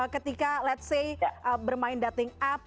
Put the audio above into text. ketika let's say bermain dating app